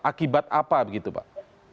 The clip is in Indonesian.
akibat apa begitu pak